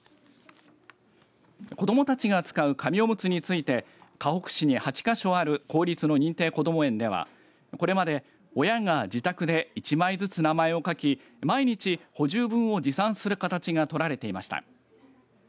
子どもたちが使う紙おむつについてかほく市に８か所ある公立の認定こども園ではこれまで親が自宅で１枚ずつ名前を書き毎日、補充分を持参する形が取られていました。